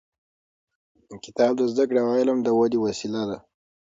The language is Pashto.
کتاب د زده کړې او علم د ودې وسیله ده.